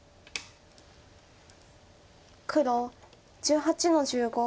黒１８の十五。